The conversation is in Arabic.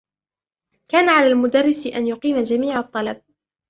كان على المدرس أن يقيم جميع الطلب.